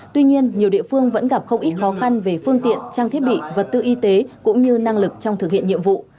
tuy nhiên nhiều địa phương vẫn gặp không ít khó khăn về phương tiện trang thiết bị vật tư y tế cũng như năng lực trong thực hiện nhiệm vụ